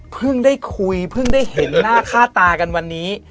ได้คุยเพิ่งได้เห็นหน้าค่าตากันวันนี้